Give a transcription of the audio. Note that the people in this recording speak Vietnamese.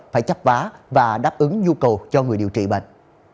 phải chấp vá và đáp ứng nhu cầu cho người điều trị bệnh